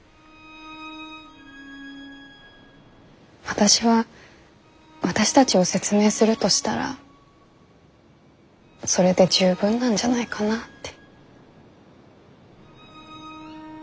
私は私たちを説明するとしたらそれで十分なんじゃないかなって。